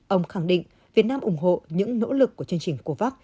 ông khẳng định việt nam ủng hộ những nỗ lực của chương trình covax